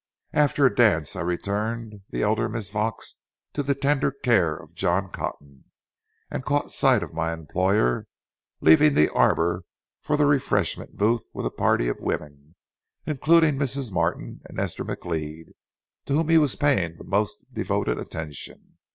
After a dance I returned the elder Miss Vaux to the tender care of John Cotton, and caught sight of my employer leaving the arbor for the refreshment booth with a party of women, including Mrs. Martin and Esther McLeod, to whom he was paying the most devoted attention.